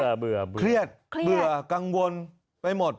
เบื่อเบื่อเบื่อเบื่อกังวลไปหมด